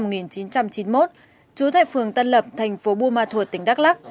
và nguyễn văn phú sinh năm một nghìn chín trăm chín mươi một chú tại phường tân lập thành phố bùa ma thuột tỉnh đắk lắc